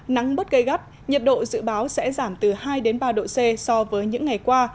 nắng bớt gây gắt nhiệt độ dự báo sẽ giảm từ hai ba độ c so với những ngày qua